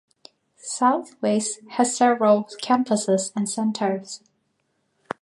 Southwest has several campuses and centers.